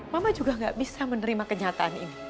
mama juga gak bisa menerima kenyataan ini